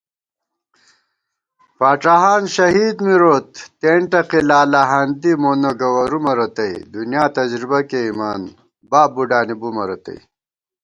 فاڄاہان شہید مِروت تېنٹقےلالہاندی مونہ گوَرُومہ رتئ * دُنیا تجربہ کېئیمان باب بُڈانی بُمہ رتئ